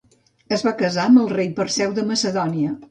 Es va casar amb el rei Perseu de Macedònia.